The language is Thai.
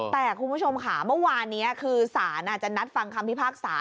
แต่คุณผู้ชมค่ะเมื่อวานนี้คือสารอาจจะนัดฟังคำพิพากษา